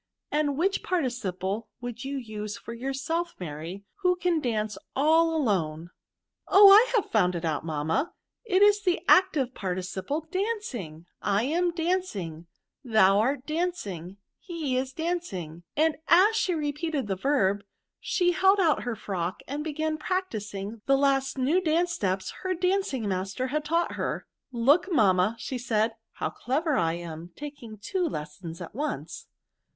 *—" And which {Nurtieiple would yoa use for yourself, Mary, who can dance all alone ?"" Oh, I have found it out, mamma I it is the active participle dandng ^l am dancing. YfiiiBS. 267 ihoxL art dancingy he is dancing; " and as she repeated the verb, she held out her frock and began practising the last new steps her danc ing master had taught her. ^* Look, mam ma/' said she, *^ how clever I am, taking two lessons at once."